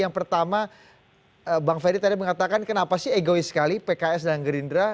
yang pertama bang ferry tadi mengatakan kenapa sih egois sekali pks dan gerindra